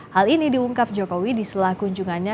hal ini diungkap jokowi di selah kunjungannya